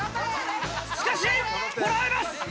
しかしこらえます！